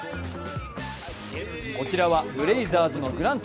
こちらはブレイザーズのグラント。